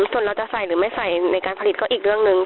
ส่วนเราจะใส่หรือไม่ใส่ในการผลิตก็อีกเรื่องหนึ่ง